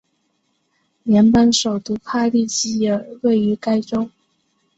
联邦首都帕利基尔位于该州。